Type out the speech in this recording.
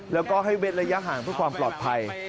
แล้วก็ให้เว้นระยะห่างเพื่อความปลอดภัย